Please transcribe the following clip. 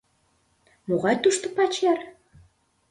Могай тушто пачер!